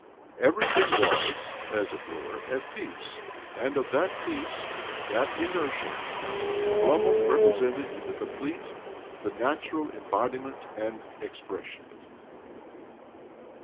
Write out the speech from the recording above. Everythin was, as it were, at peace, and of that peaa that inertia, Oblomov represented the con plete, the natural, embodiment and ej pression.